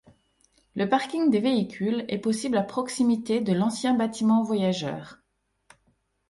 Le parking des véhicules est possible à proximité de l'ancien bâtiment voyageurs.